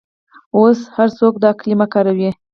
اوس هر څوک دا کلمه کاروي.